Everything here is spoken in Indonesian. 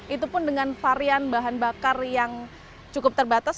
itu pun dengan varian bahan bakar yang cukup terbatas